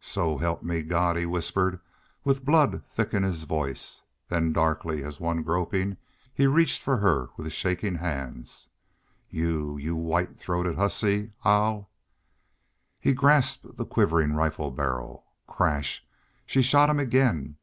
"So help me God!" he whispered, with blood thick in his voice. Then darkly, as one groping, he reached for her with shaking hands. "Y'u y'u white throated hussy!... I'll ..." He grasped the quivering rifle barrel. Crash! She shot him again.